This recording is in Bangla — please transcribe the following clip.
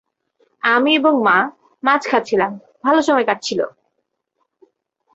আমি এবং মা মাছ খাচ্ছিলাম, ভালো সময় কাটছিল।